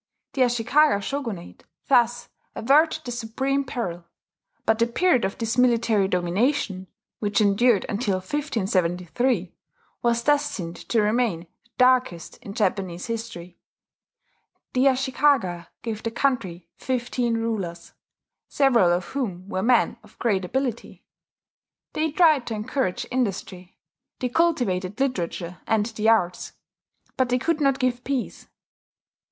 The Ashikaga shogunate thus averted the supreme peril; but the period of this military domination, which endured until 1573, was destined to remain the darkest in Japanese history. The Ashikaga gave the country fifteen rulers, several of whom were men of great ability: they tried to encourage industry; they cultivated literature and the arts; but they could not give peace.